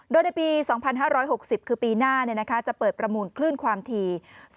โดยในปี๒๕๖๐คือปีหน้าจะเปิดประมูลคลื่นความถี่